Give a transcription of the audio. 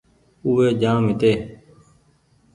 او وي جآم هيتي